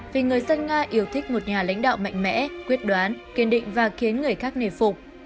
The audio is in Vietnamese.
vì người dân nga yêu thích một nhà lãnh đạo mạnh mẽ quyết đoán kiên định và khiến người khác nề phục